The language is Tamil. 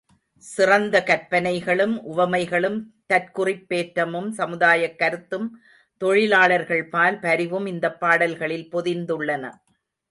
சிறந்த கற்பனைகளும் உவமைகளும் தற்குறிப் பேற்றமும் சமுதாயக் கருத்தும் தொழிலாளர்கள்பால் பரிவும் இந்தப் பாடல்களில் பொதிந்துள்ளன.